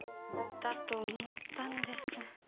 だと思ったんです。